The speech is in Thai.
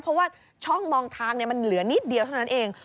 เพราะว่าช่องมองทางมันเหลือนิดเดียวเท่านั้นเอง